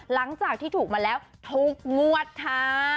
หลังจากที่ถูกมาแล้วทุกงวดค่ะ